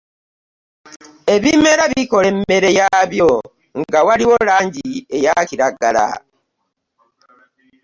Ebimera bikola emmere yaabyo nga waliwo langi eyaakiragala.